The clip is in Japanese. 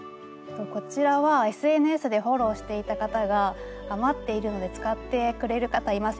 こちらはＳＮＳでフォローしていた方が「余っているので使ってくれる方いませんか？」